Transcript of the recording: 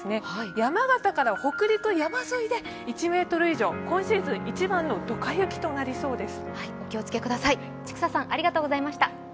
山形から北陸山沿いで１ｍ以上、今シーズン一番のドカ雪となりそうです。